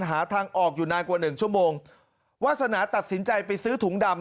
หาทางออกอยู่นานกว่าหนึ่งชั่วโมงวาสนาตัดสินใจไปซื้อถุงดำ